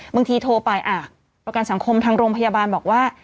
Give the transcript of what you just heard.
โทรไปประกันสังคมทางโรงพยาบาลบอกว่า